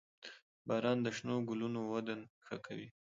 • باران د شنو ګلونو وده ښه کوي.